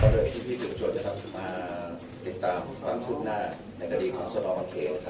ด้วยที่พี่ฐุพจรมาติดตามความคุ้น่าในกรณีของสวนอมเกณฑ์